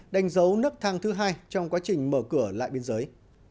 đánh dấu nước thang thứ hai trong quá trình mở cửa lại biên giới